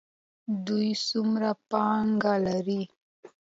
دوی څومره پانګه لري؟